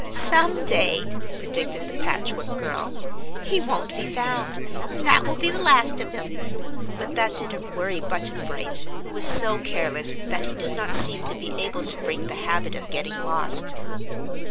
"Some day," predicted the Patchwork Girl, "he won't be found, and that will be the last of him." But that didn't worry Button Bright, who was so careless that he did not seem to be able to break the habit of getting lost.